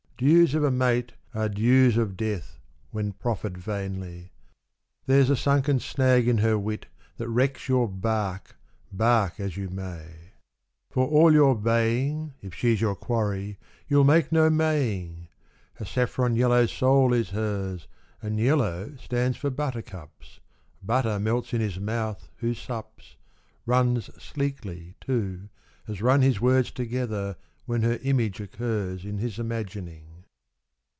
Dues of a mate are dews of death When p7'of erred vainly. There's a sunken Snag in her wit that vrreeks your barque, Bark as you mav. For all your baying Tf she's your quarry, you'll make no maying. A saffron yellow soul is hers, And yellow stands for buttercups, Butter melts in his mouth who sups, Buns sleekly, too, as run his words Tocrether when her image occurs To his imagining.